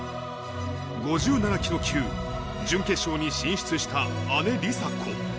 ５７キロ級準決勝に進出した姉、梨紗子。